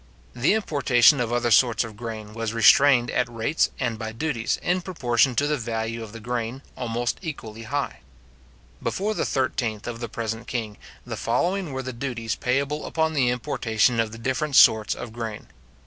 The importation of other sorts of grain was restrained at rates and by duties, in proportion to the value of the grain, almost equally high. Before the 13th of the present king, the following were the duties payable upon the importation of the different sorts of grain: Grain.